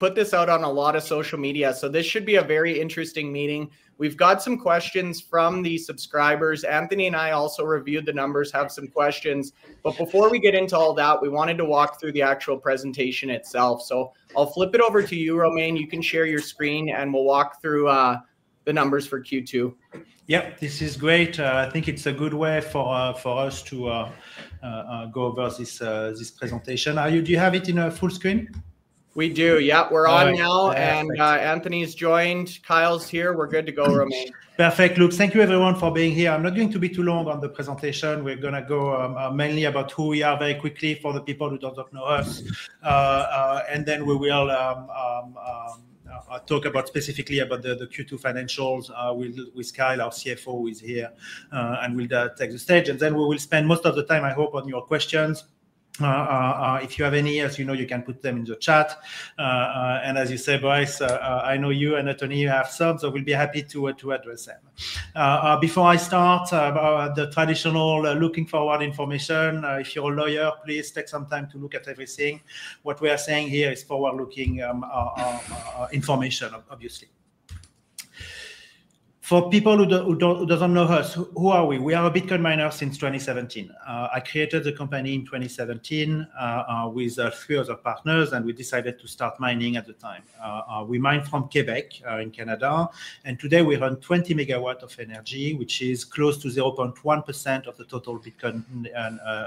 Put this out on a lot of social media, so this should be a very interesting meeting. We've got some questions from the subscribers. Anthony and I also reviewed the numbers, have some questions. But before we get into all that, we wanted to walk through the actual presentation itself. So I'll flip it over to you, Romain. You can share your screen, and we'll walk through the numbers for Q2. Yep, this is great. I think it's a good way for us to go over this presentation. Are you? Do you have it in a full screen? We do. Yep, we're on now. All right. Anthony's joined. Kyle's here. We're good to go, Romain. Perfect. Look, thank you everyone for being here. I'm not going to be too long on the presentation. We're gonna go mainly about who we are very quickly for the people who don't know us. And then we will talk specifically about the Q2 financials with Kyle, our CFO, who is here. He will take the stage, and then we will spend most of the time, I hope, on your questions. If you have any, as you know, you can put them in the chat, and as you say, Bryce, I know you and Anthony have some, so we'll be happy to address them. Before I start, the traditional forward-looking information, if you're a lawyer, please take some time to look at everything. What we are saying here is forward-looking information, obviously. For people who don't know us, who are we? We are a Bitcoin miner since 2017. I created the company in 2017 with a few other partners, and we decided to start mining at the time. We mine from Quebec in Canada, and today we run 20 megawatt of energy, which is close to 0.1% of the total Bitcoin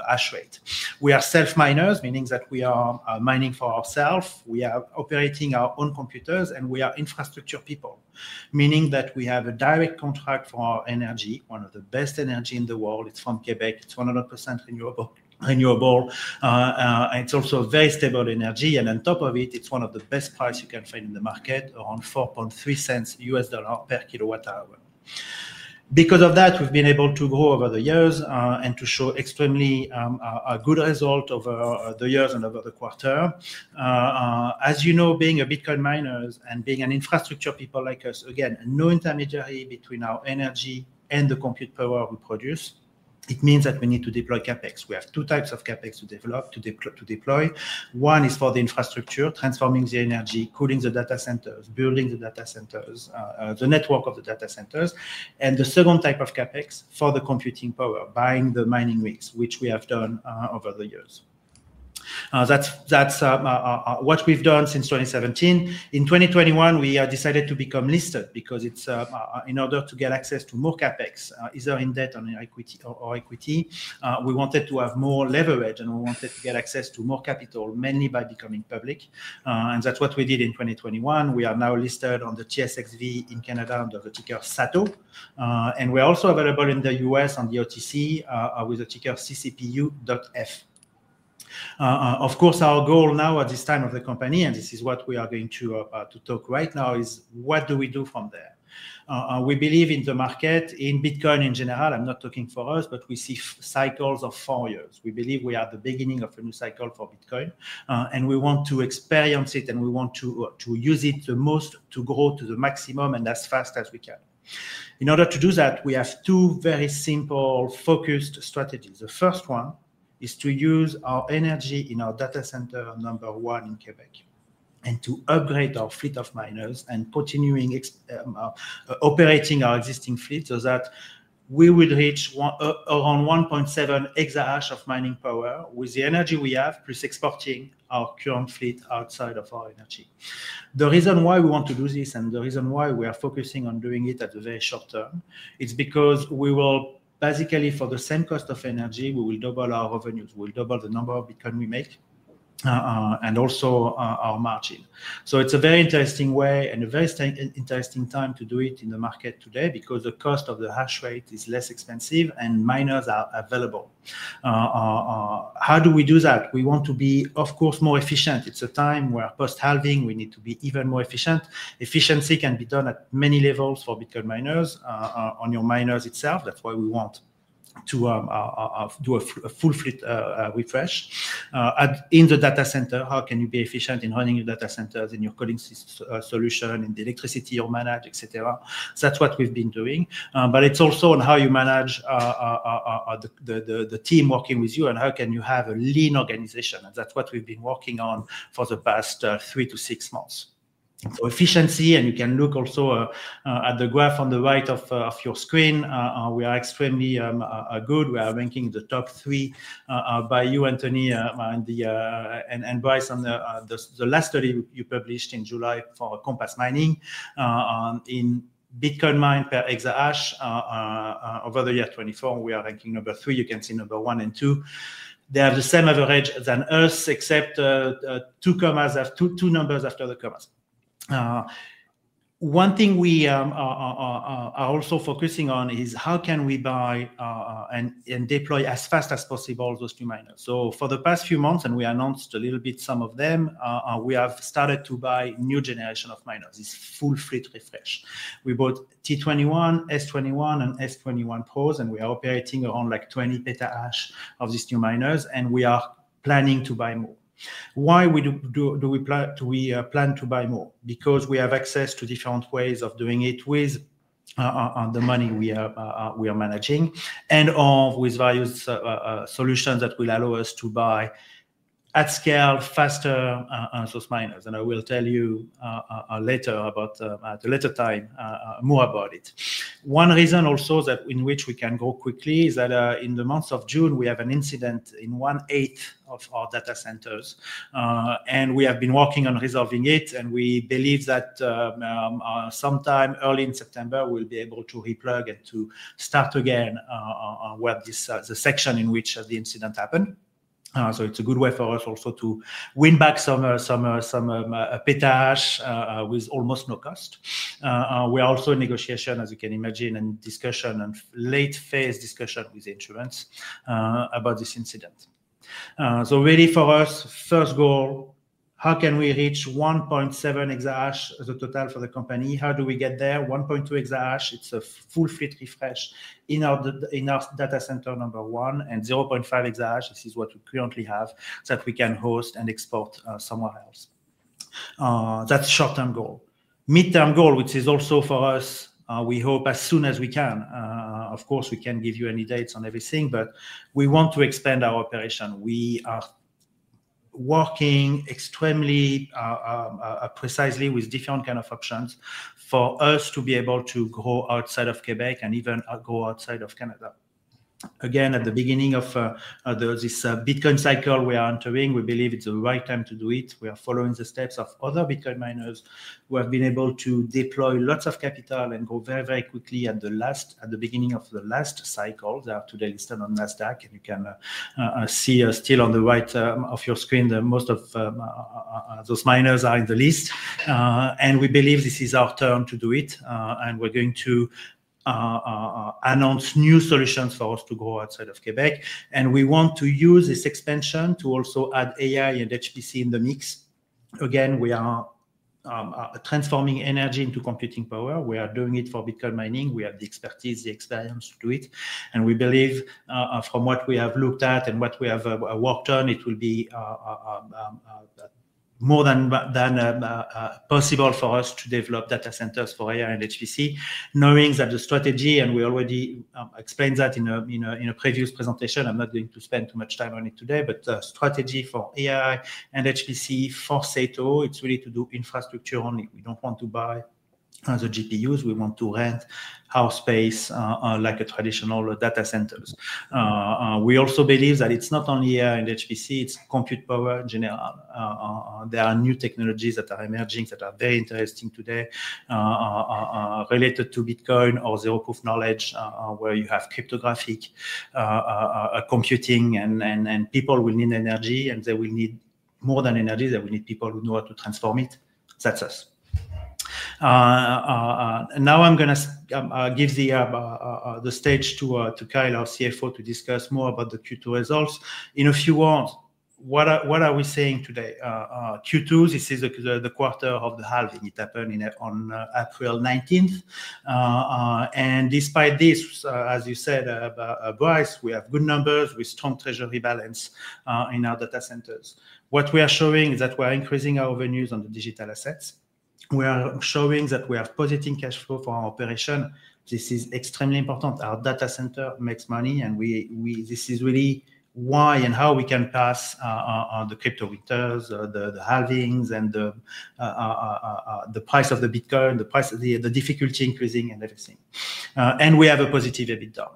hash rate. We are self miners, meaning that we are mining for ourself. We are operating our own computers, and we are infrastructure people, meaning that we have a direct contract for our energy, one of the best energy in the world. It's from Quebec. It's 100% renewable. And it's also very stable energy, and on top of it, it's one of the best price you can find in the market, around 0.043 per kWh. Because of that, we've been able to grow over the years, and to show extremely a good result over the years and over the quarter. As you know, being a Bitcoin miners and being an infrastructure people like us, again, no intermediary between our energy and the compute power we produce. It means that we need to deploy CapEx. We have two types of CapEx to deploy. One is for the infrastructure, transforming the energy, cooling the data centers, building the data centers, the network of the data centers. And the second type of CapEx for the computing power, buying the mining rigs, which we have done over the years. That's what we've done since 2017. In 2021, we decided to become listed because it's in order to get access to more CapEx, either in debt or in equity or equity. We wanted to have more leverage, and we wanted to get access to more capital, mainly by becoming public. And that's what we did in 2021. We are now listed on the TSXV in Canada, under the ticker SATO. And we're also available in the U.S. on the OTC with the ticker CCPUF. Of course, our goal now at this time of the company, and this is what we are going to to talk right now, is: What do we do from there? We believe in the market, in Bitcoin in general. I'm not talking for us, but we see cycles of 4 years. We believe we are at the beginning of a new cycle for Bitcoin, and we want to experience it, and we want to to use it the most to grow to the maximum and as fast as we can. In order to do that, we have two very simple, focused strategies. The first one is to use our energy in our data center number one in Quebec, and to upgrade our fleet of miners and continuing ex... Operating our existing fleet so that we will reach around 1.7 EH/s of mining power with the energy we have, plus exporting our current fleet outside of our energy. The reason why we want to do this, and the reason why we are focusing on doing it at a very short term, is because we will basically, for the same cost of energy, we will double our revenues. We'll double the number of Bitcoin we make, and also, our margin. So it's a very interesting way and a very interesting time to do it in the market today because the cost of the hash rate is less expensive and miners are available. How do we do that? We want to be, of course, more efficient. It's a time where post-halving, we need to be even more efficient. Efficiency can be done at many levels for Bitcoin miners, on your miners itself. That's why we want to do a full fleet refresh. In the data center, how can you be efficient in running your data centers, in your cooling solution, in the electricity you manage, et cetera? That's what we've been doing. But it's also on how you manage the team working with you, and how can you have a lean organization? And that's what we've been working on for the past three to six months. So efficiency, and you can look also at the graph on the right of your screen. We are extremely good. We are ranking the top three, by you, Anthony, and Bryce, on the last study you published in July for Compass Mining. In Bitcoin mining per Exahash, over the year 2024, we are ranking number three. You can see number one and two. They have the same average as than us, except, two companies have two numbers after the commas. One thing we are also focusing on is how can we buy and deploy as fast as possible those two miners? So for the past few months, and we announced a little bit some of them, we have started to buy new generation of miners, this full fleet refresh. We bought T21, S21, and S21 Pros, and we are operating around, like, 20 PH/s of these new miners, and we are planning to buy more. Why do we plan to buy more? Because we have access to different ways of doing it, on the money we are managing, and with various solutions that will allow us to buy at scale faster, those miners. And I will tell you later about at a later time more about it. One reason also that in which we can grow quickly is that in the month of June, we have an incident in 1/8 of our data centers. And we have been working on resolving it, and we believe that sometime early in September, we'll be able to replug and to start again on where this the section in which the incident happened. So it's a good way for us also to win back some petahash with almost no cost. We are also in negotiation, as you can imagine, and discussion, and late-phase discussion with insurance about this incident. So really for us, first goal, how can we reach 1.7 EH/s as a total for the company? How do we get there? 1.2 EH/s, it's a full fleet refresh in our data center number one, and 0.5 EH/s, this is what we currently have, that we can host and export somewhere else. That's short-term goal. Midterm goal, which is also for us, we hope as soon as we can. Of course, we can't give you any dates on anything, but we want to expand our operation. We are working extremely precisely with different kind of options for us to be able to go outside of Quebec and even go outside of Canada. Again, at the beginning of this Bitcoin cycle we are entering, we believe it's the right time to do it. We are following the steps of other Bitcoin miners who have been able to deploy lots of capital and grow very, very quickly at the beginning of the last cycle. They are today listed on Nasdaq, and you can see still on the right of your screen there, most of those miners are in the list. And we believe this is our turn to do it, and we're going to announce new solutions for us to go outside of Quebec, and we want to use this expansion to also add AI and HPC in the mix. Again, we are transforming energy into computing power. We are doing it for Bitcoin mining. We have the expertise, the experience to do it, and we believe from what we have looked at and what we have worked on, it will be more than possible for us to develop data centers for AI and HPC. Knowing that the strategy, and we already explained that in a previous presentation, I'm not going to spend too much time on it today, but the strategy for AI and HPC for SATO, it's really to do infrastructure only. We don't want to buy the GPUs. We want to rent our space like a traditional data centers. We also believe that it's not only AI and HPC, it's compute power in general. There are new technologies that are emerging that are very interesting today, related to Bitcoin or zero-knowledge proof, where you have cryptographic computing and people will need energy, and they will need more than energy. They will need people who know how to transform it. That's us. Now I'm gonna give the stage to Kyle, our CFO, to discuss more about the Q2 results. If you want, what are we saying today? Q2, this is the quarter of the halving. It happened on April nineteenth. And despite this, as you said, Bryce, we have good numbers with strong treasury balance in our data centers. What we are showing is that we are increasing our revenues on the digital assets. We are showing that we are positive cash flow for our operation. This is extremely important. Our data center makes money, and this is really why and how we can pass the crypto returns, the halvings and the price of the Bitcoin, the price of the difficulty increasing and everything. And we have a positive EBITDA.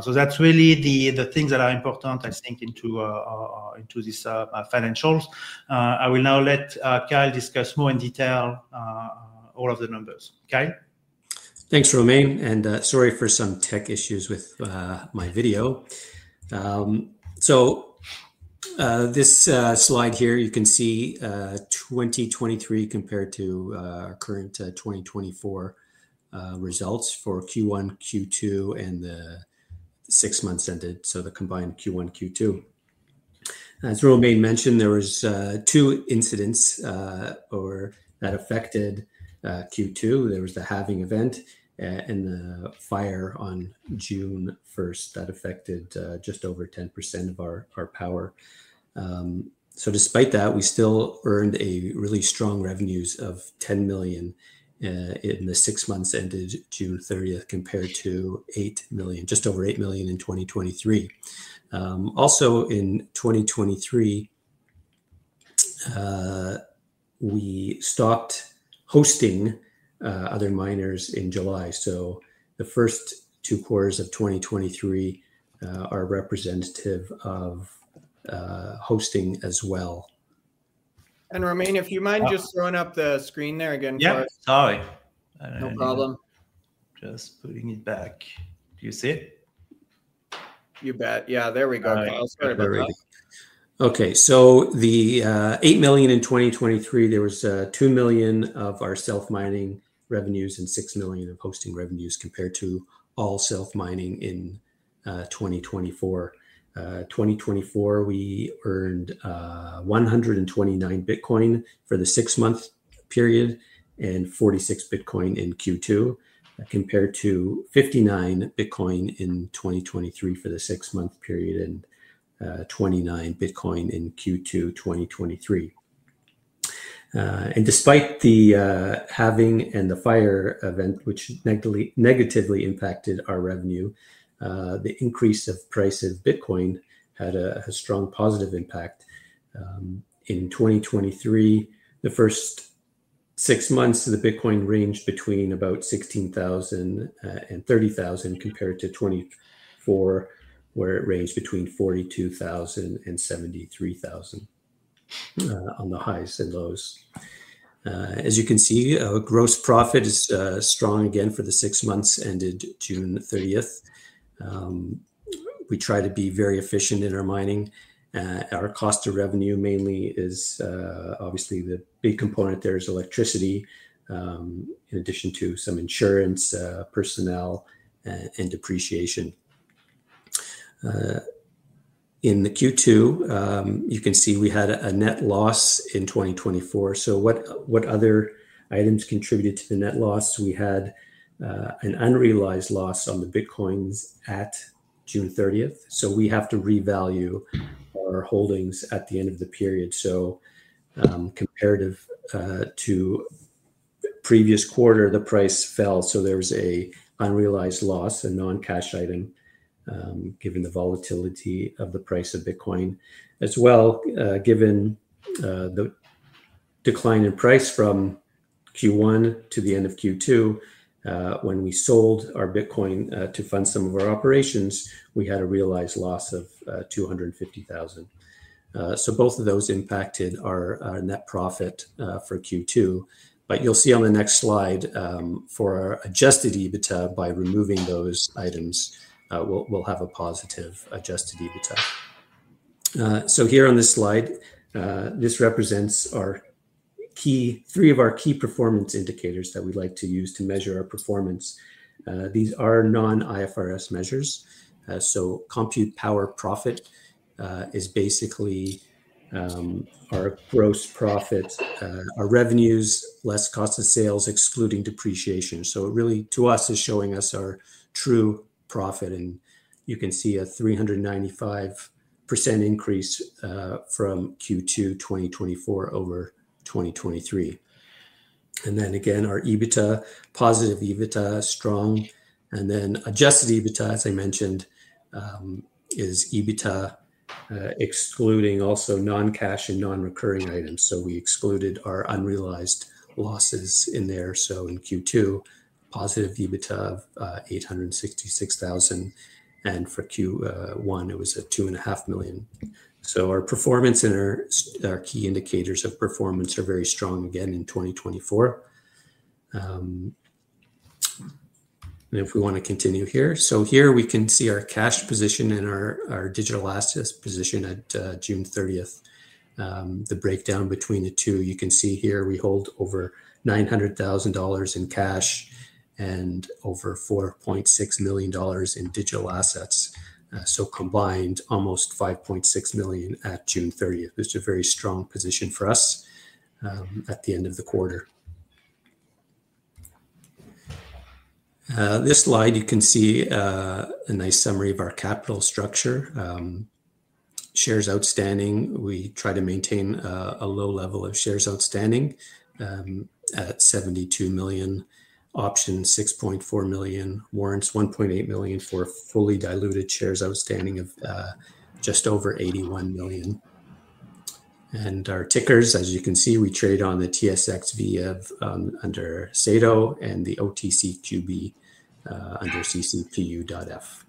So that's really the things that are important, I think, into these financials. I will now let Kyle discuss more in detail all of the numbers. Kyle? Thanks, Romain, and sorry for some tech issues with my video. So this slide here, you can see 2023 compared to our current 2024 results for Q1, Q2, and the 6 months ended, so the combined Q1, Q2. As Romain mentioned, there was two incidents or that affected Q2. There was the halving event and the fire on June first that affected just over 10% of our power. So despite that, we still earned a really strong revenues of 10 million in the 6 months ended June 30th, compared to 8 million, just over 8 million in 2023. Also in 2023, we stopped hosting other miners in July, so the first two quarters of 2023 are representative of hosting as well. Romain, if you mind just throwing up the screen there again for us? Yeah. Sorry. No problem. Just putting it back. Do you see it? You bet. Yeah, there we go, Kyle. Sorry about that. Okay, so the 8 million in 2023, there was 2 million of our self-mining revenues and 6 millions of hosting revenues, compared to all self-mining in 2024. 2024, we earned 129 Bitcoin for the six-month period and 46 BTC in Q2, compared to 59 BTC in 2023 for the six-month period, and 29 BTC in Q2 2023. And despite the halving and the fire event, which negatively impacted our revenue, the increase of price of Bitcoin had a strong positive impact. In 2023, the first 6 months, the Bitcoin ranged between about 16,000 and 30,000, compared to 2024, where it ranged between 42,000 and 73,000 on the highs and lows. As you can see, our gross profit is strong again for the six months ended June 30th. We try to be very efficient in our mining. Our cost of revenue mainly is obviously the big component there is electricity, in addition to some insurance, personnel, and depreciation. In the Q2, you can see we had a net loss in 2024. So what other items contributed to the net loss? We had an unrealized loss on the Bitcoins at June 30th, so we have to revalue our holdings at the end of the period. So, comparative to the previous quarter, the price fell, so there was a unrealized loss, a non-cash item, given the volatility of the price of Bitcoin. As well, given the decline in price from Q1 to the end of Q2, when we sold our Bitcoin to fund some of our operations, we had a realized loss of 250,000, so both of those impacted our net profit for Q2, but you'll see on the next slide, for our Adjusted EBITDA, by removing those items, we'll have a positive Adjusted EBITDA, so here on this slide, this represents our key three of our key performance indicators that we like to use to measure our performance. These are non-IFRS measures, so compute power profit is basically our gross profit, our revenues, less cost of sales, excluding depreciation. So it really, to us, is showing us our true profit, and you can see a 395% increase from Q2 2024 over 2023. And then again, our EBITDA, positive EBITDA, strong, and then Adjusted EBITDA, as I mentioned, is EBITDA excluding also non-cash and non-recurring items. So we excluded our unrealized losses in there. So in Q2, positive EBITDA of 866,000, and for Q1, it was 2.5 million. So our performance and our key indicators of performance are very strong again in 2024. And if we want to continue here, so here we can see our cash position and our digital assets position at June 30th. The breakdown between the two, you can see here we hold over 900,000 dollars in cash and over 4.6 million dollars in digital assets. So combined, almost 5.6 million at June 30th. This is a very strong position for us at the end of the quarter. This slide, you can see, a nice summary of our capital structure. Shares outstanding, we try to maintain a low level of shares outstanding at 72 million. Options, 6.4 million. Warrants, 1.8 million, for fully diluted shares outstanding of just over 81 million. And our tickers, as you can see, we trade on the TSXV under SATO and the OTCQB under CCPUF.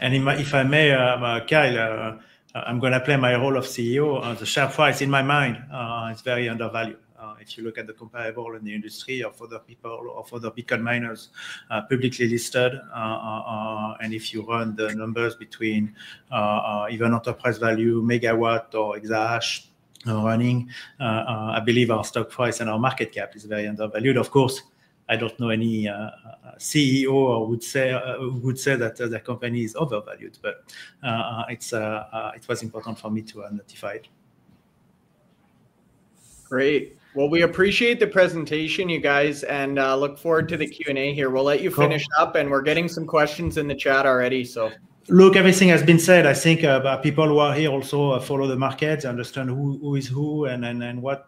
If I may, Kyle, I'm gonna play my role of CEO. The share price, in my mind, it's very undervalued. If you look at the comparables in the industry or for the peers or for the Bitcoin miners publicly listed, and if you run the numbers between even enterprise value, megawatt, or exahash, I believe our stock price and our market cap is very undervalued. Of course, I don't know any CEO who would say that their company is overvalued, but it was important for me to note it. Great. Well, we appreciate the presentation, you guys, and look forward to the Q&A here. Cool. We'll let you finish up, and we're getting some questions in the chat already, so. Look, everything has been said. I think, people who are here also follow the markets, understand who is who, and what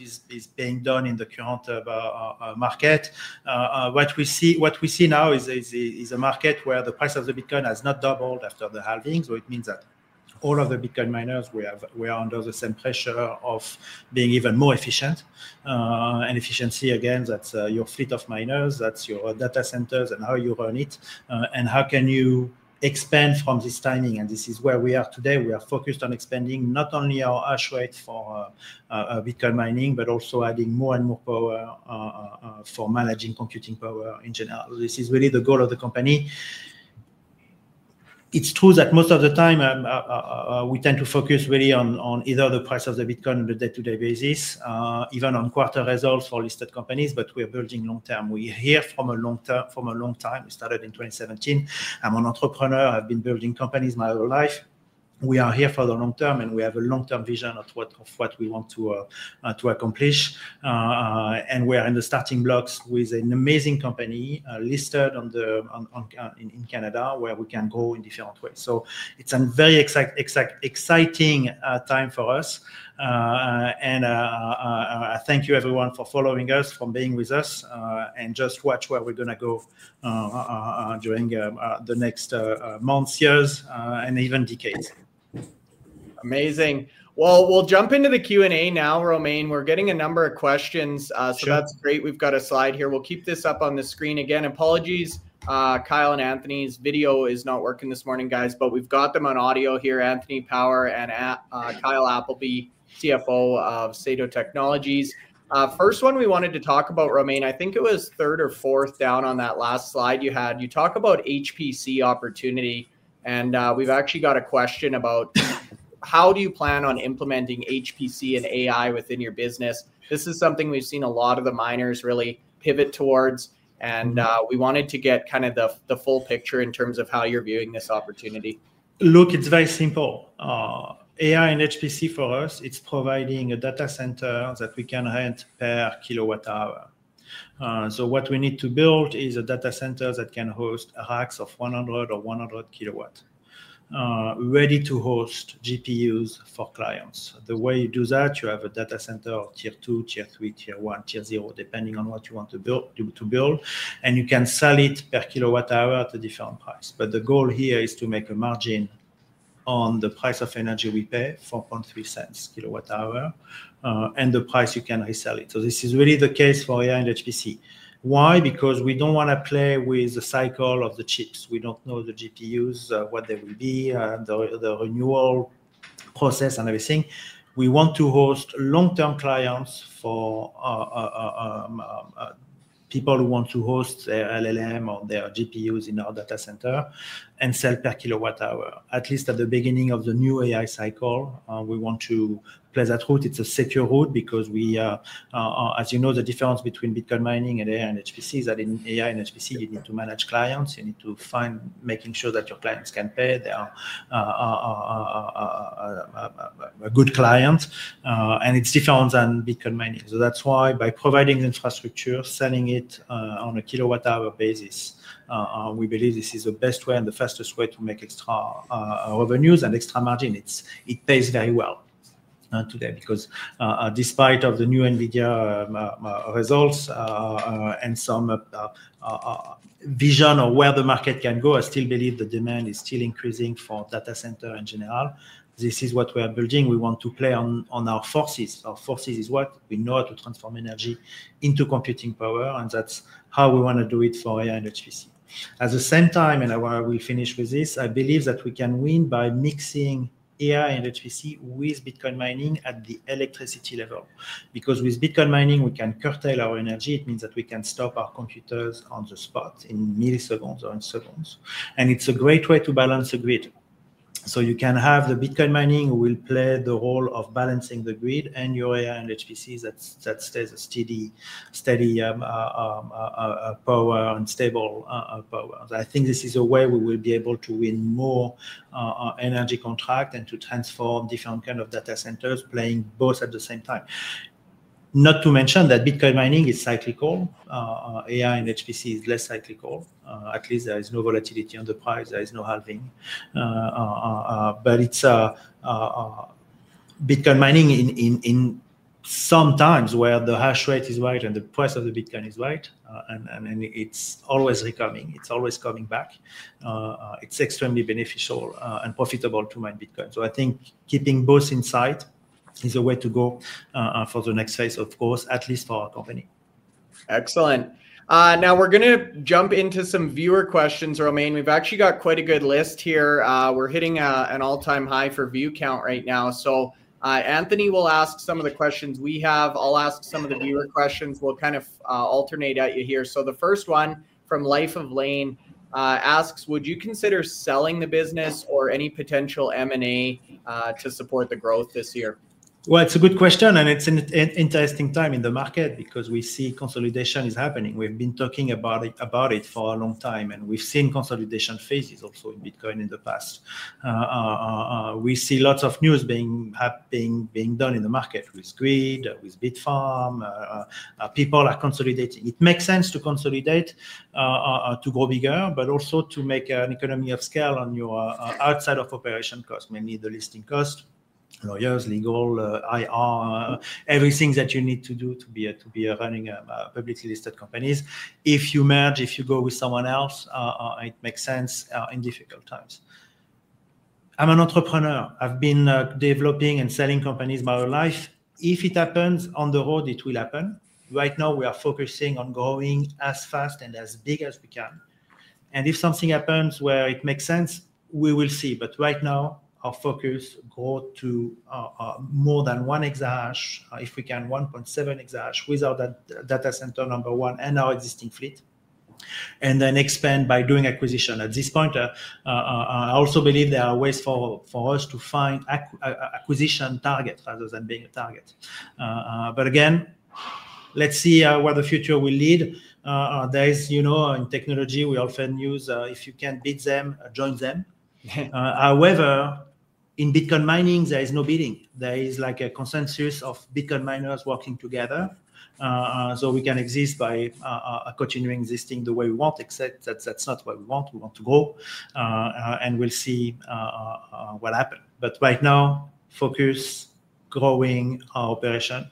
is being done in the current market. What we see now is a market where the price of the Bitcoin has not doubled after the halving. So it means that all of the Bitcoin miners, we are under the same pressure of being even more efficient. And efficiency, again, that's your fleet of miners, that's your data centers, and how you run it, and how can you expand from this timing? And this is where we are today. We are focused on expanding not only our hash rate for Bitcoin mining, but also adding more and more power for managing computing power in general. This is really the goal of the company. It's true that most of the time, we tend to focus really on either the price of the Bitcoin on a day-to-day basis, even on quarter results for listed companies, but we are building long term. We're here from a long time. We started in 2017. I'm an entrepreneur. I've been building companies my whole life. We are here for the long term, and we have a long-term vision of what we want to accomplish. And we are in the starting blocks with an amazing company listed in Canada, where we can go in different ways. So it's a very exciting time for us. And thank you everyone for following us, for being with us, and just watch where we're gonna go during the next months, years, and even decades. Amazing. Well, we'll jump into the Q&A now, Romain. We're getting a number of questions. Sure. So that's great. We've got a slide here. We'll keep this up on the screen. Again, apologies, Kyle and Anthony's video is not working this morning, guys, but we've got them on audio here. Anthony Power and Kyle Appleby, CFO of SATO Technologies. First one we wanted to talk about, Romain, I think it was 1/3 or 1/4 down on that last slide you had. You talk about HPC opportunity, and we've actually got a question about how do you plan on implementing HPC and AI within your business? This is something we've seen a lot of the miners really pivot towards, and we wanted to get kind of the full picture in terms of how you're viewing this opportunity. Look, it's very simple. AI and HPC for us, it's providing a data center that we can rent per kilowatt-hour. So what we need to build is a data center that can host racks of 100 kW or 100 kW, ready to host GPUs for clients. The way you do that, you have a data center, Tier 2, Tier 3, Tier 1, Tier 0, depending on what you want to build, and you can sell it per kilowatt-hour at a different price. But the goal here is to make a margin on the price of energy we pay, 0.043 per kWh, and the price you can resell it. So this is really the case for AI and HPC. Why? Because we don't wanna play with the cycle of the chips. We don't know the GPUs, what they will be, the renewal process and everything. We want to host long-term clients for people who want to host their LLM or their GPUs in our data center and sell per kilowatt hour. At least at the beginning of the new AI cycle, we want to play that route. It's a secure route because we, as you know, the difference between Bitcoin mining and AI and HPC is that in AI and HPC, you need to manage clients. You need to find... making sure that your clients can pay. They are a good client, and it's different than Bitcoin mining. That's why by providing the infrastructure, selling it on a kilowatt-hour basis, we believe this is the best way and the fastest way to make extra revenues and extra margin. It pays very well today because despite of the new NVIDIA results and some vision of where the market can go, I still believe the demand is still increasing for data center in general. This is what we are building. We want to play on our forces. Our forces is what we know how to transform energy into computing power, and that's how we want to do it for AI and HPC. At the same time, and I will finish with this, I believe that we can win by mixing AI and HPC with Bitcoin mining at the electricity level, because with Bitcoin mining, we can curtail our energy. It means that we can stop our computers on the spot in milliseconds or in seconds, and it's a great way to balance the grid. So you can have the Bitcoin mining, who will play the role of balancing the grid and your AI and HPC that stays a steady power and stable power. I think this is a way we will be able to win more energy contract and to transform different kind of data centers, playing both at the same time. Not to mention that Bitcoin mining is cyclical. AI and HPC is less cyclical. At least there is no volatility on the price. There is no halving, but it's Bitcoin mining in some times, where the hash rate is right and the price of the Bitcoin is right, and it's always recurring, it's always coming back. It's extremely beneficial and profitable to mine Bitcoin. So I think keeping both in sight is a way to go for the next phase, of course, at least for our company. Excellent. Now we're gonna jump into some viewer questions, Romain. We've actually got quite a good list here. We're hitting an all-time high for view count right now. So, Anthony will ask some of the questions we have. I'll ask some of the viewer questions. We'll kind of alternate at you here. So the first one from Life of Lane asks: "Would you consider selling the business or any potential M&A to support the growth this year? It's a good question, and it's an interesting time in the market because we see consolidation is happening. We've been talking about it for a long time, and we've seen consolidation phases also in Bitcoin in the past. We see lots of news happening, being done in the market with GRIID, with Bitfarms. People are consolidating. It makes sense to consolidate to go bigger, but also to make an economy of scale on your outside of operation cost. Mainly the listing cost, lawyers, legal, IR, everything that you need to do to be running a publicly listed company. If you merge, if you go with someone else, it makes sense in difficult times. I'm an entrepreneur. I've been developing and selling companies my whole life. If it happens on the road, it will happen. Right now, we are focusing on growing as fast and as big as we can, and if something happens where it makes sense, we will see. But right now, our focus grow to more than 1 EH/s, if we can, 1.7 EH/s with our data center number one and our existing fleet, and then expand by doing acquisition. At this point, I also believe there are ways for us to find acquisition targets rather than being a target. But again, let's see where the future will lead. There is, you know, in technology, we often use if you can't beat them, join them. However, in Bitcoin mining, there is no beating. There is like a consensus of Bitcoin miners working together. So we can exist by continuing existing the way we want, except that's not what we want. We want to grow, and we'll see what happen. But right now, focus growing our operation,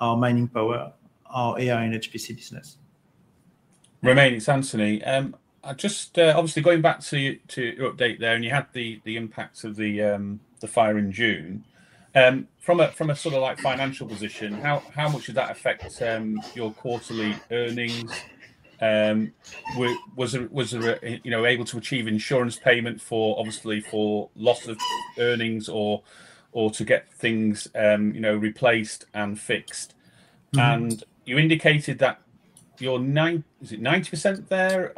our mining power, our AI and HPC business. Romain, it's Anthony. I just obviously going back to your update there, and you had the impact of the fire in June. From a sort of like financial position, how much did that affect your quarterly earnings? Was there, you know, able to achieve insurance payment for obviously for loss of earnings or to get things, you know, replaced and fixed? Mm-hmm. You indicated that your 90% there,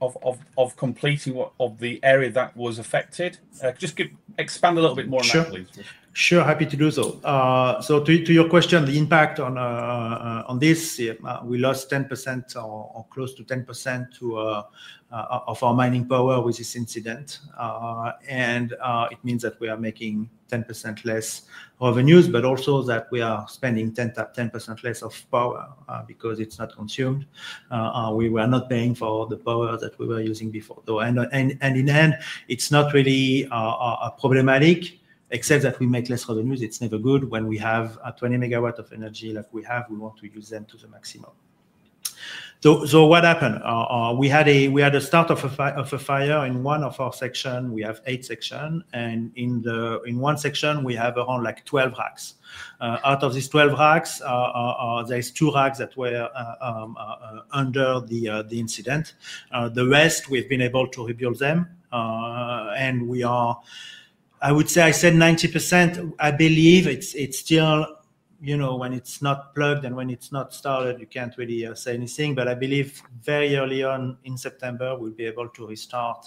of completing what of the area that was affected? Just expand a little bit more on that, please. Sure. Sure, happy to do so. So to your question, the impact on this, we lost 10% or close to 10% of our mining power with this incident. And it means that we are making 10% less revenues, but also that we are spending 10% less of power, because it's not consumed. We were not paying for the power that we were using before, though. And in the end, it's not really problematic, except that we make less revenues. It's never good when we have a 20 MW of energy like we have, we want to use them to the maximum. So what happened? We had a start of a fire in one of our section. We have eight sections, and in one section, we have around like 12 racks. Out of these 12 racks, there is two racks that were under the incident. The rest, we've been able to rebuild them, and we are. I would say, I said 90%. I believe it's still, you know, when it's not plugged and when it's not started, you can't really say anything, but I believe very early on in September, we'll be able to restart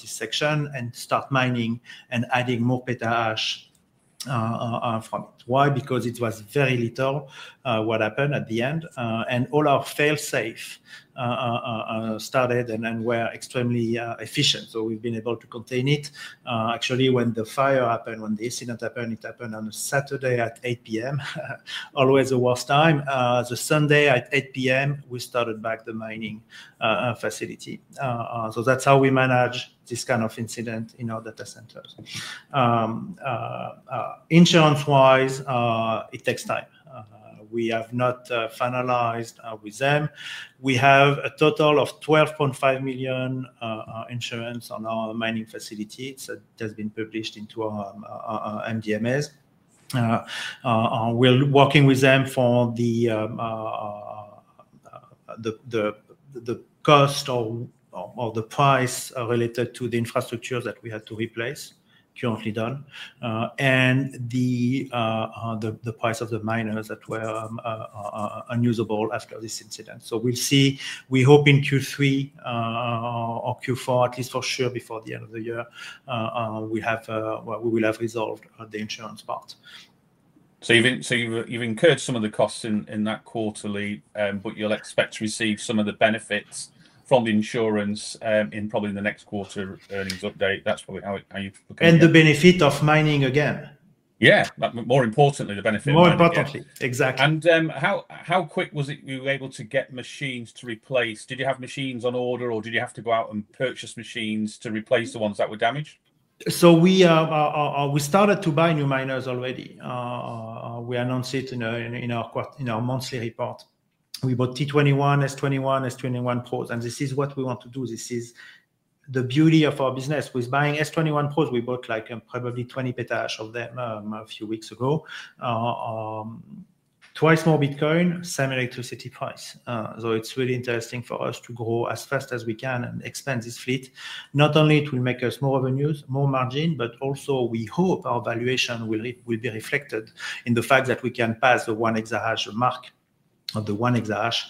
this section and start mining and adding more petahash from it. Why? Because it was very little, what happened at the end, and all our fail-safe started and then were extremely efficient, so we've been able to contain it. Actually, when the fire happened, when the incident happened, it happened on a Saturday at 8:00 P.M. Always the worst time. The Sunday at 8:00 P.M., we started back the mining facility. So that's how we manage this kind of incident in our data centers. Insurance-wise, it takes time. We have not finalized with them. We have a total of 12.5 million insurance on our mining facility. So it has been published into our MD&A. We're working with them for the cost or the price related to the infrastructure that we had to replace, currently done, and the price of the miners that were unusable after this incident. So we'll see. We hope in Q3 or Q4, at least for sure before the end of the year, well, we will have resolved the insurance part. So you've incurred some of the costs in that quarterly, but you'll expect to receive some of the benefits from the insurance in probably the next quarter earnings update. That's probably how it, how you- The benefit of mining again. Yeah. More importantly, the benefit of mining again. More importantly. Exactly. How quick was it you were able to get machines to replace? Did you have machines on order, or did you have to go out and purchase machines to replace the ones that were damaged? So we started to buy new miners already. We announced it in our monthly report. We bought T21, S21, S21 pros, and this is what we want to do. This is the beauty of our business. With buying S21 pros, we bought like probably 20 PH/s of them a few weeks ago. Twice more Bitcoin, same electricity price. So it's really interesting for us to grow as fast as we can and expand this fleet. Not only it will make us more revenues, more margin, but also we hope our valuation will be reflected in the fact that we can pass the 1 EH/s mark or the 1 EH/s.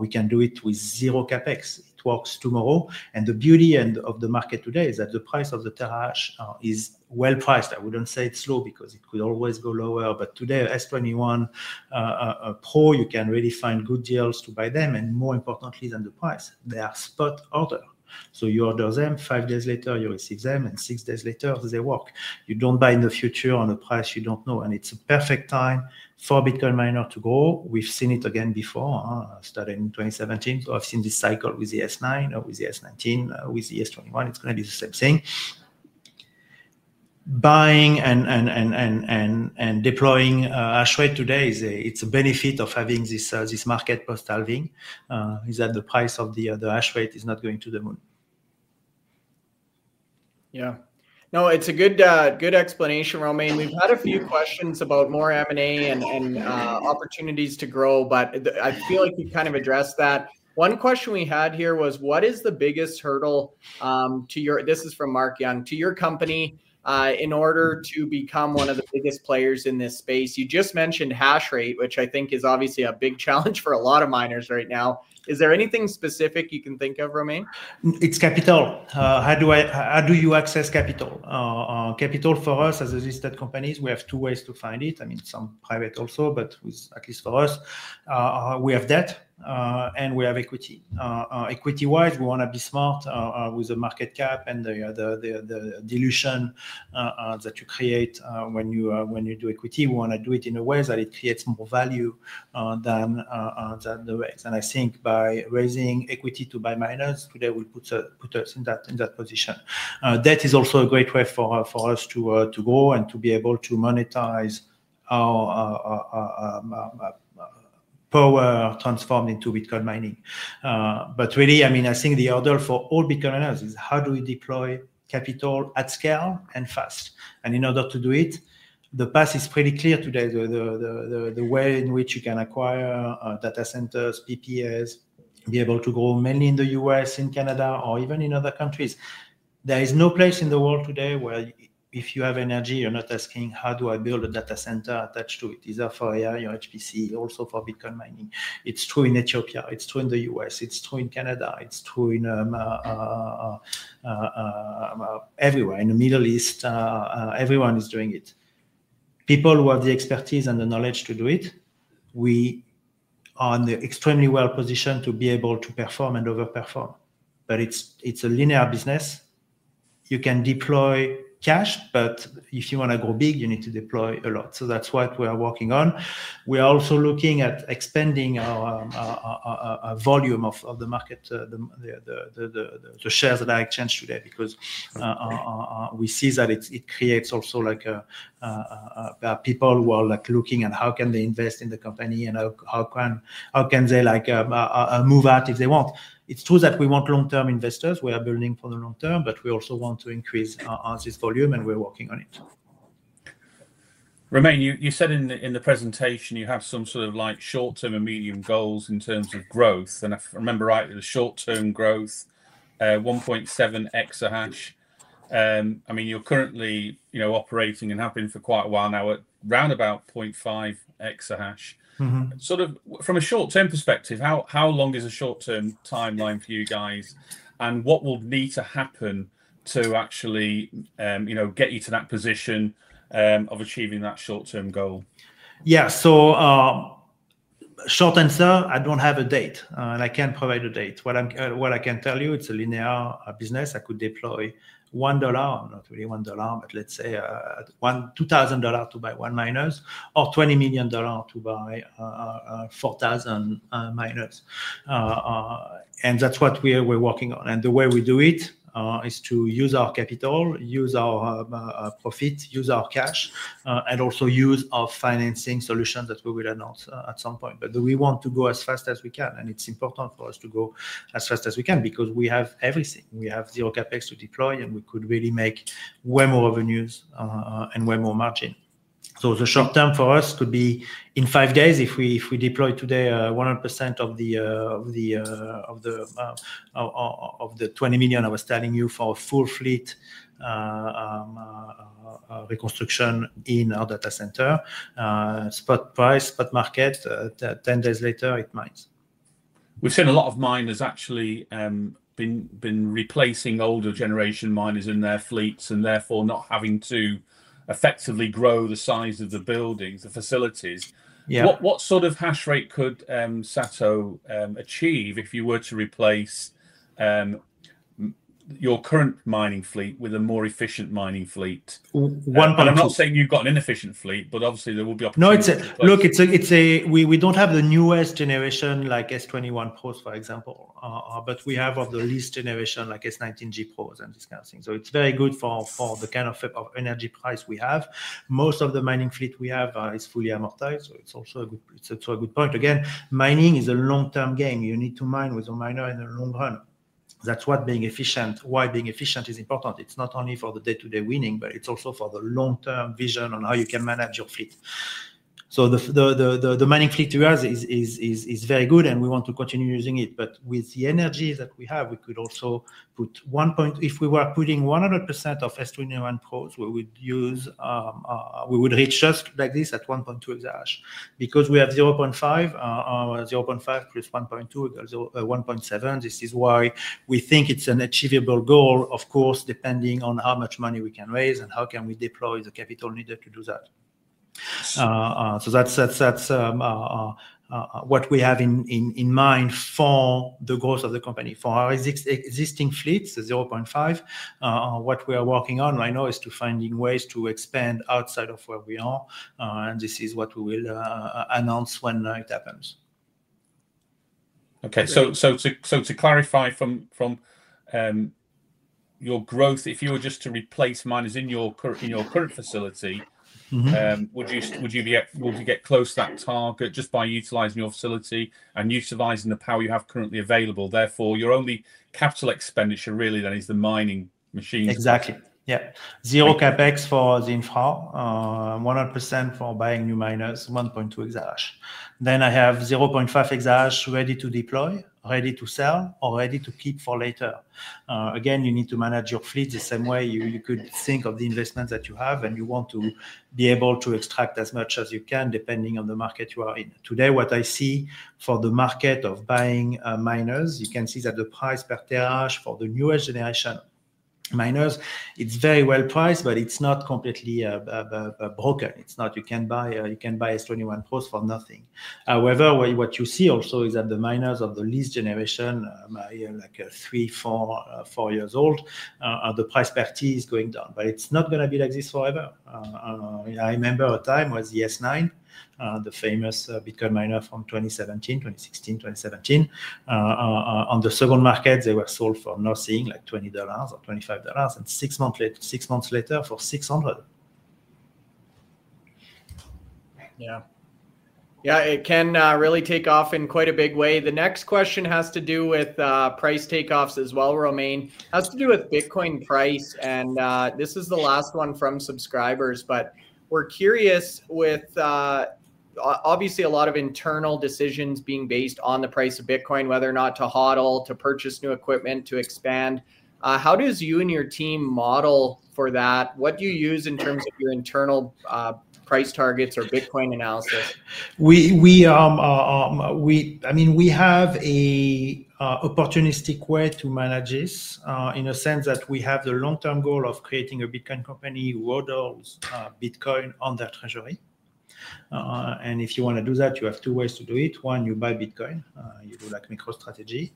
We can do it with Zero-CapEx. It works tomorrow, and the beauty of the market today is that the price of the terahash is well priced. I wouldn't say it's low because it could always go lower, but today, S21 Pro, you can really find good deals to buy them, and more importantly than the price, they are spot order. So you order them, five days later, you receive them, and six days later, they work. You don't buy in the future on a price you don't know, and it's a perfect time for a Bitcoin miner to go. We've seen it again before, starting in 2017. So I've seen this cycle with the S9 or with the S19, with the S21, it's gonna be the same thing. Buying and deploying hash rate today is a benefit of having this market post-halving, that the price of the hash rate is not going to the moon. ...Yeah. No, it's a good, good explanation, Romain. We've had a few questions about more M&A and, and, opportunities to grow, but I feel like you've kind of addressed that. One question we had here was: what is the biggest hurdle, to your... This is from Mark Young, to your company, in order to become one of the biggest players in this space? You just mentioned hash rate, which I think is obviously a big challenge for a lot of miners right now. Is there anything specific you can think of, Romain? It's capital. How do you access capital? Capital for us as a listed company is we have two ways to find it. I mean, some private also, but at least for us, we have debt, and we have equity. Equity-wise, we wanna be smart, with the market cap and the dilution that you create when you do equity. We wanna do it in a way that it creates more value than the rest. I think by raising equity to buy miners, today will put us in that position. Debt is also a great way for us to go and to be able to monetize our power transformed into Bitcoin mining, but really, I mean, I think the order for all Bitcoin miners is: how do we deploy capital at scale and fast, and in order to do it, the path is pretty clear today, the way in which you can acquire data centers, PPs, be able to go mainly in the U.S. and Canada or even in other countries. There is no place in the world today where if you have energy, you're not asking: how do I build a data center attached to it? These are for AI or HPC, also for Bitcoin mining. It's true in Ethiopia, it's true in the US, it's true in Canada, it's true in everywhere. In the Middle East, everyone is doing it. People who have the expertise and the knowledge to do it, we are in the extremely well positioned to be able to perform and over-perform. But it's, it's a linear business. You can deploy cash, but if you wanna go big, you need to deploy a lot. So that's what we are working on. We are also looking at expanding our volume of the market, the shares that I changed today, because we see that it creates also like people who are like looking at how can they invest in the company and how can they like move out if they want. It's true that we want long-term investors. We are building for the long term, but we also want to increase our volume, and we're working on it. Romain, you said in the presentation you have some sort of like short-term and medium goals in terms of growth, and if I remember right, the short-term growth, 1.7 EH/s. I mean, you're currently, you know, operating and have been for quite a while now, at round abou 0.5 EH/s. Mm-hmm. Sort of from a short-term perspective, how long is a short-term timeline for you guys, and what will need to happen to actually, you know, get you to that position, of achieving that short-term goal? Yeah. So, short answer, I don't have a date, and I can't provide a date. What I can tell you, it's a linear business. I could deploy 1 dollar, not really 1 dollar, but let's say 1-2,000 dollars to buy one miner or 20 million dollars to buy 4,000 miners. And that's what we're working on. And the way we do it is to use our capital, use our profit, use our cash, and also use our financing solution that we will announce at some point. But we want to go as fast as we can, and it's important for us to go as fast as we can because we have everything. We have the Zero-CapEx to deploy, and we could really make way more revenues, and way more margin. So the short term for us could be in five days if we deploy today 100% of the 20 million I was telling you for a full fleet reconstruction in our data center, spot price, spot market, ten days later, it mines. We've seen a lot of miners actually been replacing older generation miners in their fleets and therefore not having to effectively grow the size of the buildings, the facilities. Yeah. What sort of hash rate could SATO achieve if you were to replace your current mining fleet with a more efficient mining fleet? One- I'm not saying you've got an inefficient fleet, but obviously there will be opportunities- No, it's a... Look, it's a- we don't have the newest generation, like S21 Pro, for example, but we have of the latest generation, like S19j Pro and this kind of thing. So it's very good for the kind of energy price we have. Most of the mining fleet we have is fully amortized, so it's also a good point. Again, mining is a long-term game. You need to mine with a miner in the long run. That's what being efficient why being efficient is important. It's not only for the day-to-day mining, but it's also for the long-term vision on how you can manage your fleet. So the mining fleet we have is very good, and we want to continue using it. But with the energy that we have, we could also put one point. If we were putting 100% of S21 Pros, we would use, we would reach just like this at 1.2 EH/s. Because we have 0.5, 0.5 + 1.2 equals, 1.7. This is why we think it's an achievable goal, of course, depending on how much money we can raise and how can we deploy the capital needed to do that. So that's what we have in mind for the growth of the company. For our existing fleets, the 0.5, what we are working on right now is to finding ways to expand outside of where we are, and this is what we will announce when it happens.... Okay, so to clarify from your growth, if you were just to replace miners in your current facility- Mm-hmm. Would you be able to get close to that target just by utilizing your facility and utilizing the power you have currently available? Therefore, your only capital expenditure really then is the mining machines? Exactly, yeah. Okay. Zero-CapEx for the infra. 100% for buying new miners, 1.2 EH/s. Then I have 0.5 EH/s ready to deploy, ready to sell, or ready to keep for later. Again, you need to manage your fleet the same way you could think of the investment that you have, and you want to be able to extract as much as you can, depending on the market you are in. Today, what I see for the market of buying miners, you can see that the price per terahash for the newer generation miners, it's very well priced, but it's not completely a bargain. It's not. You can buy an S21 Pro for nothing. However, what you see also is that the miners of the least generation, like, three, four years old, the price per T is going down, but it's not gonna be like this forever. I remember a time was the S9, the famous, Bitcoin miner from 2016, 2017. On the secondary market, they were sold for nothing, like 20 dollars or 25 dollars, and six months later, for 600. Yeah. Yeah, it can, really take off in quite a big way. The next question has to do with, price takeoffs as well, Romain. It has to do with Bitcoin price, and, this is the last one from subscribers. But we're curious with, obviously, a lot of internal decisions being based on the price of Bitcoin, whether or not to HODL, to purchase new equipment, to expand, how does you and your team model for that? What do you use in terms of your internal, price targets or Bitcoin analysis? I mean, we have a opportunistic way to manage this, in a sense that we have the long-term goal of creating a Bitcoin company who HODLs Bitcoin on their treasury. And if you wanna do that, you have two ways to do it: one, you buy Bitcoin, you do like MicroStrategy,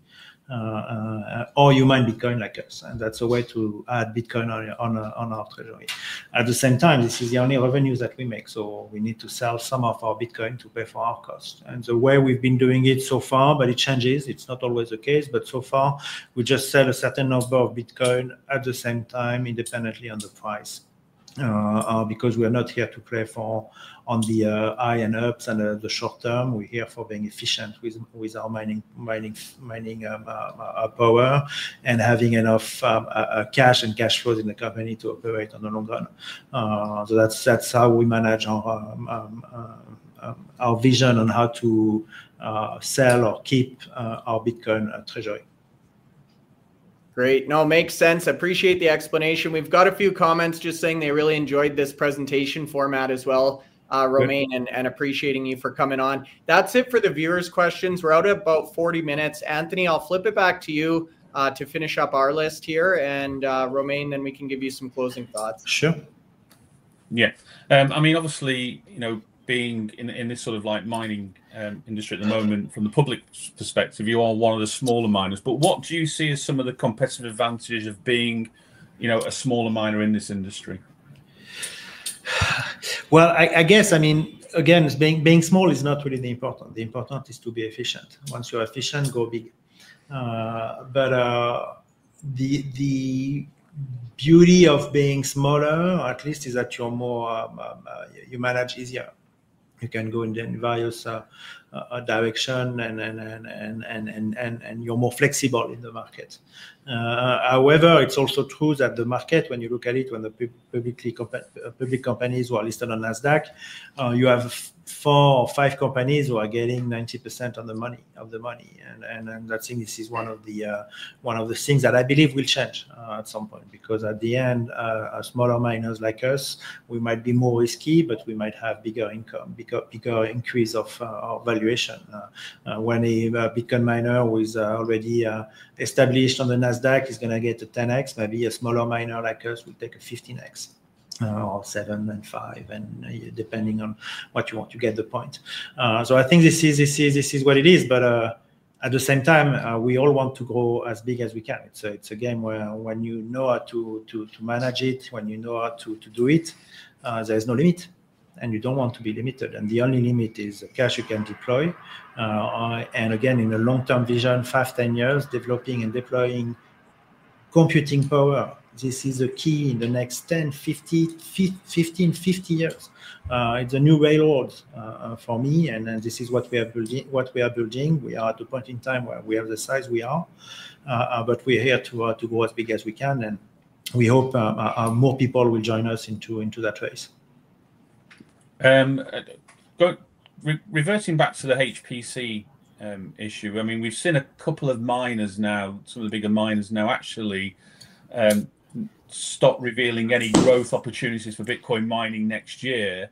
or you mine Bitcoin like us, and that's a way to add Bitcoin on our treasury. At the same time, this is the only revenues that we make, so we need to sell some of our Bitcoin to pay for our cost. And the way we've been doing it so far, but it changes, it's not always the case, but so far, we just sell a certain number of Bitcoin at the same time, independently on the price. Because we are not here to play for the highs and lows and the short term, we're here for being efficient with our mining power, and having enough cash and cash flow in the company to operate in the long run. So that's how we manage our decision on how to sell or keep our Bitcoin treasury. Great. No, makes sense. Appreciate the explanation. We've got a few comments just saying they really enjoyed this presentation format as well. Good... Romain, and appreciating you for coming on. That's it for the viewers' questions. We're out at about 40 minutes. Anthony, I'll flip it back to you to finish up our list here, and Romain, then we can give you some closing thoughts. Sure. Yeah. I mean, obviously, you know, being in this sort of, like, mining industry at the moment, from the public perspective, you are one of the smaller miners. But what do you see as some of the competitive advantages of being, you know, a smaller miner in this industry? I guess, I mean, again, being small is not really the important. The important is to be efficient. Once you're efficient, go big. But the beauty of being smaller, or at least, is that you're more you manage easier. You can go in then various direction, and you're more flexible in the market. However, it's also true that the market, when you look at it, public companies who are listed on Nasdaq, you have 4-5 companies who are getting 90% of the money. That thing, this is one of the things that I believe will change at some point, because at the end, smaller miners like us, we might be more risky, but we might have bigger income, bigger increase of valuation. When a Bitcoin miner who is already established on the Nasdaq is gonna get a 10x, maybe a smaller miner like us will take a 15x, or seven, then five, and depending on what you want, you get the point. So I think this is what it is, but at the same time, we all want to grow as big as we can. It's a game where when you know how to manage it, when you know how to do it, there's no limit, and you don't want to be limited. And the only limit is the cash you can deploy. And again, in the long-term vision, 5, 10 years, developing and deploying computing power, this is the key in the next 10, 50, 15, 50 years. It's a new railroads, for me, and then this is what we are building. We are at the point in time where we are the size we are, but we are here to go as big as we can, and we hope more people will join us into that race. Reversing back to the HPC issue, I mean, we've seen a couple of miners now, some of the bigger miners now actually stop revealing any growth opportunities for Bitcoin mining next year,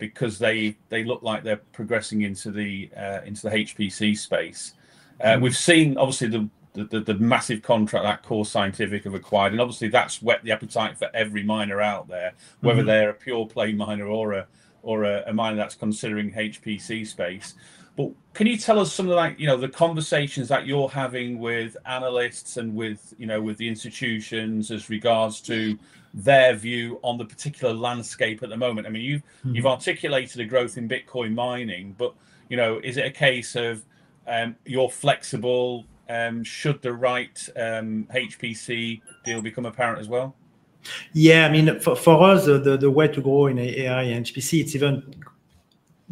because they look like they're progressing into the HPC space. Mm-hmm. We've seen, obviously, the massive contract that Core Scientific have acquired, and obviously, that's whet the appetite for every miner out there- Mm-hmm... whether they're a pure play miner or a miner that's considering HPC space. But can you tell us some of the, like, you know, the conversations that you're having with analysts and with, you know, with the institutions as regards to their view on the particular landscape at the moment? I mean, you've- Mm-hmm... you've articulated a growth in Bitcoin mining, but, you know, is it a case of, you're flexible, should the right, HPC deal become apparent as well? Yeah. I mean, for us, the way to go in AI and HPC, it's even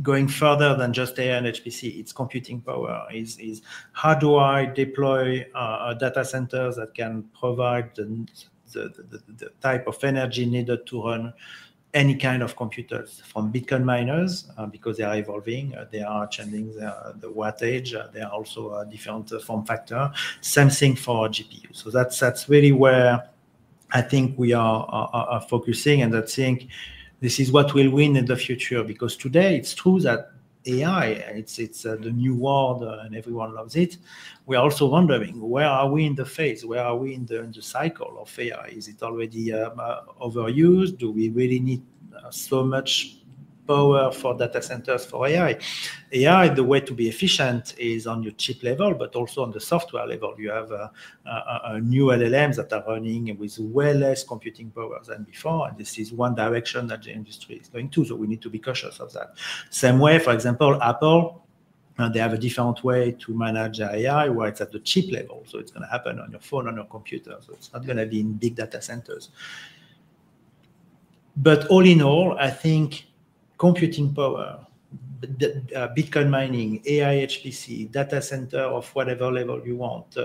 going further than just AI and HPC, it's computing power. Is how do I deploy a data center that can provide the type of energy needed to run any kind of computers, from Bitcoin miners, because they are evolving, they are changing their wattage, they are also a different form factor. Same thing for GPU. So that's really where I think we are focusing, and I think this is what will win in the future. Because today it's true that AI, it's the new world, and everyone loves it. We are also wondering, where are we in the phase? Where are we in the cycle of AI? Is it already overused? Do we really need so much power for data centers for AI? AI, the way to be efficient is on your chip level, but also on the software level. You have new LLMs that are running with way less computing power than before, and this is one direction that the industry is going to, so we need to be cautious of that. Same way, for example, Apple, they have a different way to manage AI, where it's at the chip level, so it's gonna happen on your phone, on your computer, so it's not gonna be in big data centers. But all in all, I think computing power, the, Bitcoin mining, AI, HPC, data center of whatever level you want,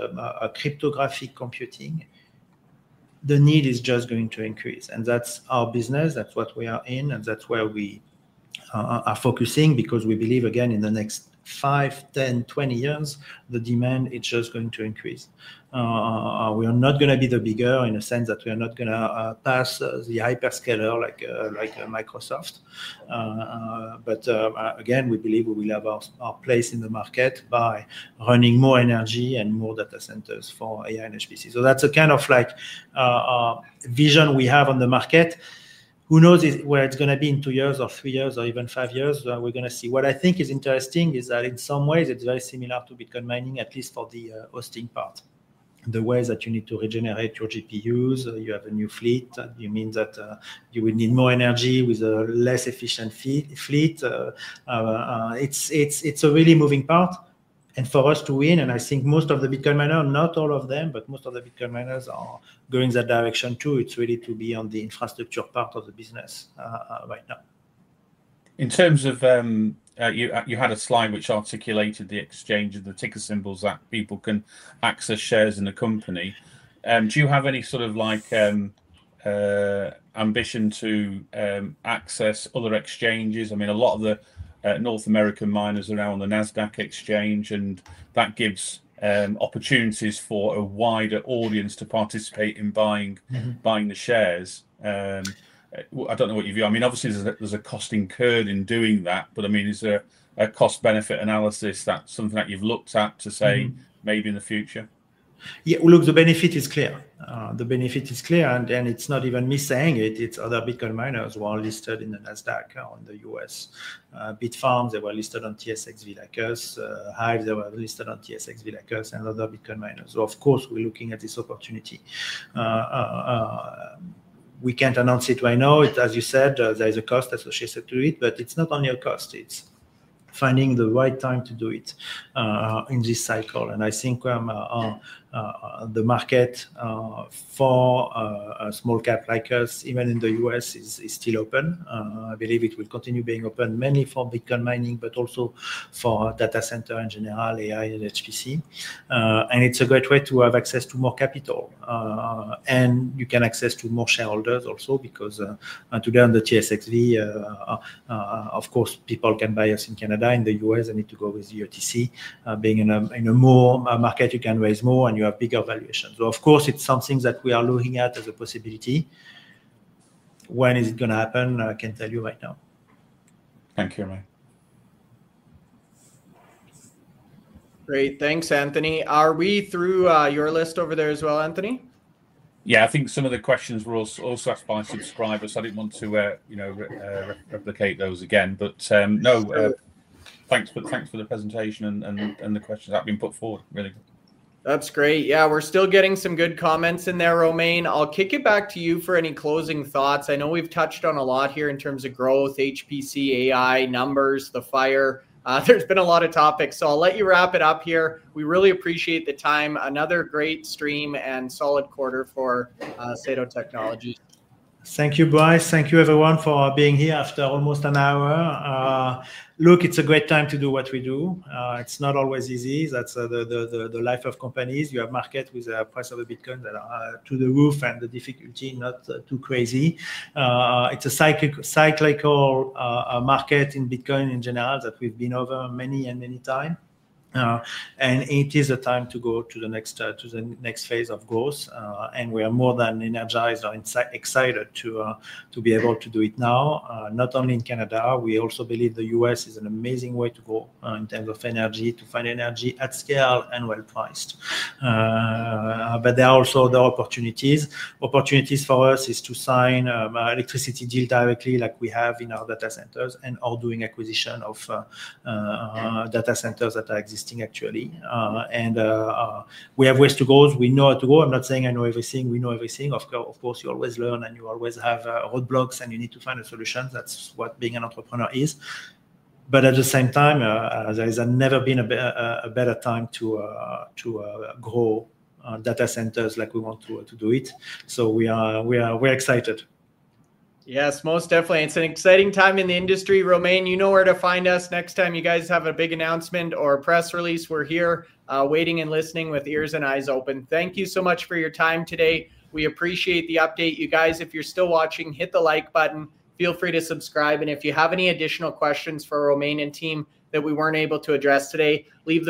cryptographic computing, the need is just going to increase. And that's our business, that's what we are in, and that's where we are focusing, because we believe, again, in the next 5, 10, 20 years, the demand is just going to increase. We are not gonna be the bigger in the sense that we are not gonna pass the hyperscaler like, like a Microsoft. But, again, we believe we will have our place in the market by running more energy and more data centers for AI and HPC. So that's a kind of like vision we have on the market. Who knows where it's gonna be in two years or three years or even five years, we're gonna see. What I think is interesting is that in some ways it's very similar to Bitcoin mining, at least for the hosting part. The ways that you need to regenerate your GPUs, you have a new fleet, you mean that, you will need more energy with a less efficient fleet. It's a really moving part, and for us to win, and I think most of the Bitcoin miner, not all of them, but most of the Bitcoin miners are going that direction, too. It's really to be on the infrastructure part of the business, right now. In terms of, you had a slide which articulated the exchange of the ticker symbols that people can access shares in the company. Do you have any sort of like ambition to access other exchanges? I mean, a lot of the North American miners are now on the Nasdaq exchange, and that gives opportunities for a wider audience to participate in buying- Mm-hmm... buying the shares. Well, I don't know what you view. I mean, obviously there's a cost incurred in doing that, but I mean, is there a cost-benefit analysis that's something that you've looked at to say- Mm-hmm... maybe in the future? Yeah. Look, the benefit is clear, and then it's not even me saying it. It's other Bitcoin miners who are listed in the Nasdaq on the U.S. Bitfarms, they were listed on TSXV like us. HIVE, they were listed on TSXV like us, and other Bitcoin miners. So of course, we're looking at this opportunity. We can't announce it right now. As you said, there is a cost associated to it, but it's not only a cost. It's finding the right time to do it in this cycle. And I think the market for a small cap like us, even in the U.S., is still open. I believe it will continue being open, mainly for Bitcoin mining, but also for data center in general, AI and HPC. And it's a great way to have access to more capital. And you can access to more shareholders also, because today on the TSXV, of course, people can buy us in Canada. In the U.S., they need to go with the OTC. Being in a more market, you can raise more and you have bigger valuations. So of course it's something that we are looking at as a possibility. When is it gonna happen? I can't tell you right now. Thank you, Romain. Great. Thanks, Anthony. Are we through your list over there as well, Anthony? Yeah, I think some of the questions were also asked by subscribers. I didn't want to, you know, replicate those again. But, no, Sure. Thanks for the presentation and the questions that have been put forward. Really. That's great. Yeah, we're still getting some good comments in there, Romain. I'll kick it back to you for any closing thoughts. I know we've touched on a lot here in terms of growth, HPC, AI, numbers, the fire. There's been a lot of topics, so I'll let you wrap it up here. We really appreciate the time. Another great stream and solid quarter for SATO Technologies. Thank you, Bryce. Thank you everyone for being here after almost an hour. Look, it's a great time to do what we do. It's not always easy. That's the life of companies. You have market with a price of a Bitcoin that are through the roof, and the difficulty not too crazy. It's a cyclical market in Bitcoin in general that we've been over many times. And it is a time to go to the next phase of growth, and we are more than energized and excited to be able to do it now. Not only in Canada, we also believe the U.S. is an amazing way to go in terms of energy, to find energy at scale and well-priced. But there are opportunities. Opportunities for us is to sign electricity deal directly, like we have in our data centers, and all doing acquisition of data centers that are existing actually. And we have ways to go. We know how to go. I'm not saying I know everything, we know everything. Of course, you always learn, and you always have roadblocks, and you need to find a solution. That's what being an entrepreneur is. But at the same time, there's never been a better time to grow data centers like we want to do it. So we're excited. Yes, most definitely. It's an exciting time in the industry, Romain. You know where to find us next time you guys have a big announcement or a press release. We're here, waiting and listening with ears and eyes open. Thank you so much for your time today. We appreciate the update, you guys. If you're still watching, hit the like button, feel free to subscribe, and if you have any additional questions for Romain and team that we weren't able to address today, leave them...